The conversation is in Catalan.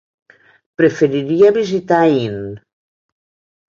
Preferiria visitar Aín.